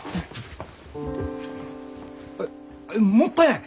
えっもったいない！